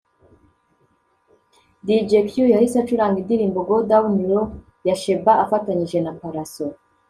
Dj Cue yahise acuranga indirimbo ‘Go down Low’ ya Sheba afatanyije na Pallaso